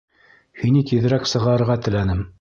Һине тиҙерәк сығарырға теләнем.